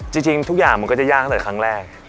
จริงทุกอย่างมันก็จะยากตั้งแต่ครั้งแรก